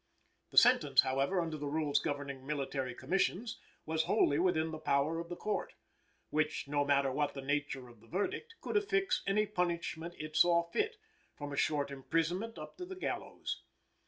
The sentence, however, under the rules governing military commissions, was wholly within the power of the Court, which, no matter what the nature of the verdict, could affix any punishment it saw fit, from a short imprisonment up to the gallows.